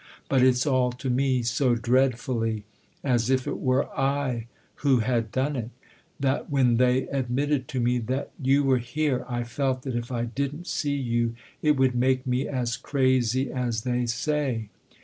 But it's all to me, so dreadfully, as if it were / who had done it, that when they admitted to me that you were here I felt that if I didn't see you it would make me as crazy as they say.